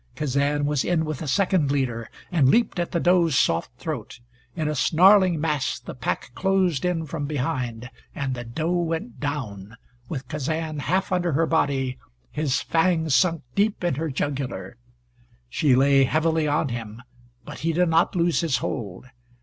Kazan was in with the second leader, and leaped at the doe's soft throat. In a snarling mass the pack closed in from behind, and the doe went down, with Kazan half under her body, his fangs sunk deep in her jugular. She lay heavily on him, but he did not lose his hold.